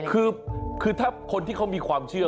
คือถ้าคนที่เขามีความเชื่อ